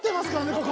ここ。